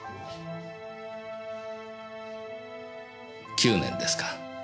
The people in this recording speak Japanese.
９年ですか。